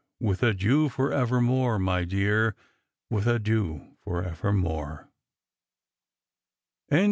With adieu for ever more, my dear, With adieu for ever more !